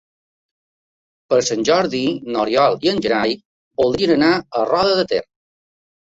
Per Sant Jordi n'Oriol i en Gerai voldrien anar a Roda de Ter.